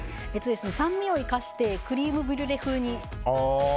酸味を生かしてクレームブリュレ風に。